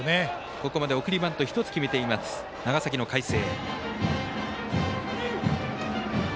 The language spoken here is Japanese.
ここまで送りバント１つ決めています、長崎の海星。